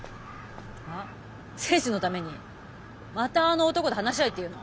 あ？征二のためにまたあの男と話し合えっていうの？